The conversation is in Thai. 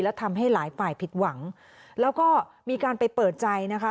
และทำให้หลายฝ่ายผิดหวังแล้วก็มีการไปเปิดใจนะคะ